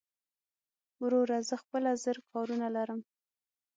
وروره زه خپله زر کارونه لرم